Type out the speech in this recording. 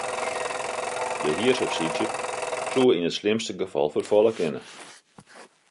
De hiersubsydzje soe yn it slimste gefal ferfalle kinne.